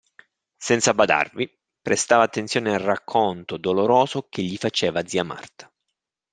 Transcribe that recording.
Senza badarvi, prestava attenzione al racconto doloroso che gli faceva zia Marta.